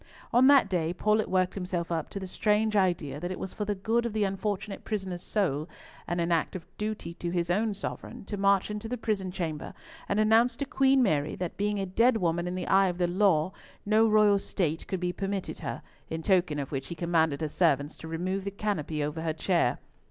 On that day, Paulett worked himself up to the strange idea that it was for the good of the unfortunate prisoner's soul, and an act of duty to his own sovereign, to march into the prison chamber and announce to Queen Mary that being a dead woman in the eye of the law, no royal state could be permitted her, in token of which he commanded her servants to remove the canopy over her chair.